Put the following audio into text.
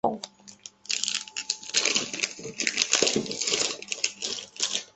中间雀麦为禾本科雀麦属下的一个种。